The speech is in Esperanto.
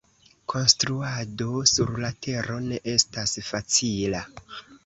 Konstruado sur la tero ne estas facila.